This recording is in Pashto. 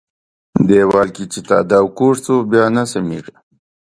ديوال چې د تاداوه کوږ سو ، بيا نه سمېږي.